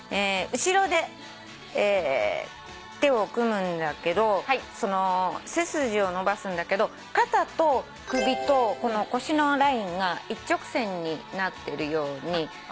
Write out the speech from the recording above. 後ろで手を組むんだけど背筋を伸ばすんだけど肩と首と腰のラインが一直線になってるように。